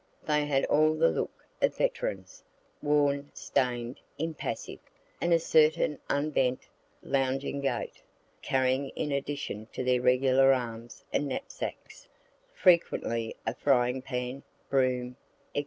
They had all the look of veterans, worn, stain'd, impassive, and a certain unbent, lounging gait, carrying in addition to their regular arms and knapsacks, frequently a frying pan, broom, &c.